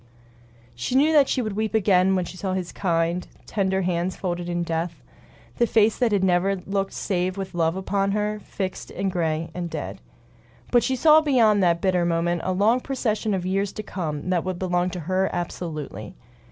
She knew that she would weep again when she saw the kind, tender hands folded in death; the face that had never looked save with love upon her, fixed and gray and dead. But she saw beyond that bitter moment a long procession of years to come that would belong to her absolutely.